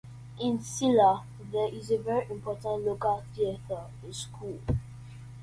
In Silla there is a very important local theater school.